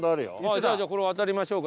じゃあこれを渡りましょうか。